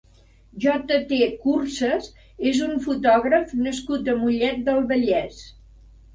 JT Curses és un fotògraf nascut a Mollet del Vallès.